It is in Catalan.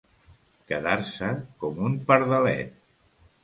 Quedar-se com un pardalet.